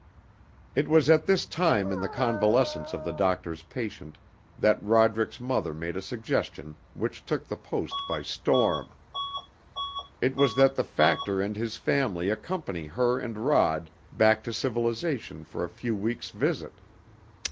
It was at this time in the convalescence of the doctor's patient that Roderick's mother made a suggestion which took the Post by storm. It was that the factor and his family accompany her and Rod back to civilization for a few weeks' visit.